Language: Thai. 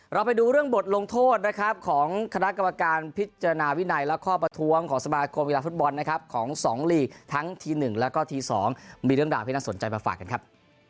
เราไปดูเรื่องบทลงโทษนะครับของคณะกรรมการพิจารณาวินัยและข้อประท้วงของสมาคมกีฬาฟุตบอลนะครับของสองลีกทั้งที๑แล้วก็ที๒มีเรื่องราวที่น่าสนใจมาฝากกันครับ